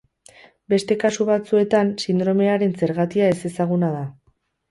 Beste kasu batzuetan, sindromearen zergatia ezezaguna da.